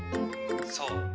「そう」。